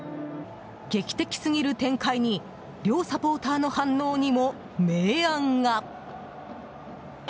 劇的すぎる展開に両サポーターの反応にも明暗が。